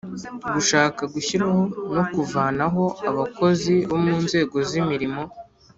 Gushaka gushyiraho no kuvanaho abakozi bo mu nzego z imirimo